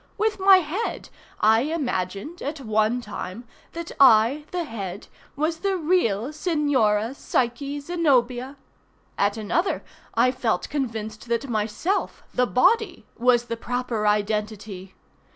With my head I imagined, at one time, that I, the head, was the real Signora Psyche Zenobia—at another I felt convinced that myself, the body, was the proper identity.